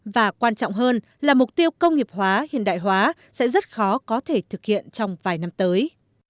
và quan trọng hơn là mục tiêu công nghiệp hóa hiện đại hóa sẽ rất khó có thể thực hiện trong vài năm tới